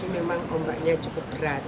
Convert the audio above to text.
memang ombaknya cukup berat